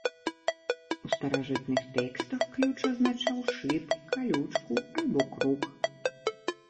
У старажытных тэкстах ключ азначаў шып, калючку альбо крук.